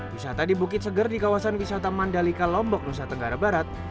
wisata di bukit seger di kawasan wisata mandalika lombok nusa tenggara barat